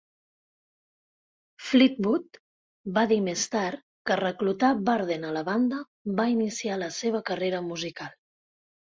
Fleetwood va dir més tard que reclutar Barden a la banda va iniciar la seva carrera musical.